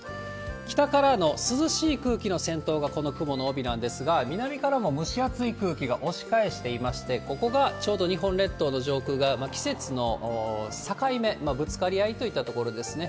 北からの涼しい空気の先頭が、この雲の帯なんですが、南からも蒸し暑い空気が押し返していまして、ここがちょうど日本列島の上空が、季節の境目、ぶつかり合いといったところですね。